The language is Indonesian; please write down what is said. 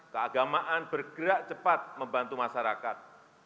keagamaan bergerak cepat membantu masyarakat